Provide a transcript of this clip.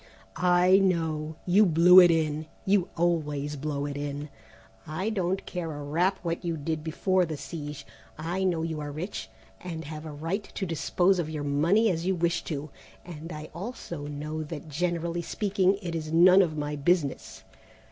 "I know; you blew it in; you always blow it in. I don't care a rap what you did before the siege: I know you are rich and have a right to dispose of your money as you wish to, and I also know that, generally speaking, it is none of my business.